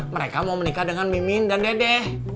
mereka mau menikah dengan mimin dan dede